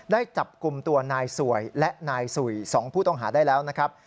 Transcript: ได้จับกลุ่มตัวนายสวยและนายสุย๒ผู้ต้องหาได้แล้วนะครับ